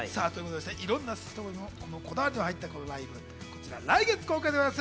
いろんなこだわりが入ったライブ、来月公開です。